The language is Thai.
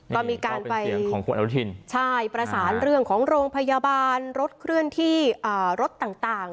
ก็มีการไปประสานเรื่องของโรงพยาบาลรถเคลื่อนที่รถต่าง